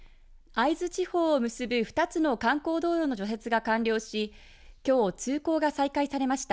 会津地方を結ぶ２つの観光道路の除雪が完了しきょう通行が再開されました。